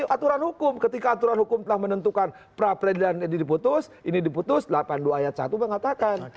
aturan hukum ketika aturan hukum telah menentukan pra peradilan ini diputus ini diputus delapan puluh dua ayat satu mengatakan